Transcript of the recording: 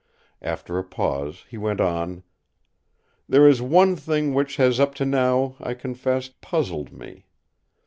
After a pause he went on: "There is one thing which has up to now, I confess, puzzled me.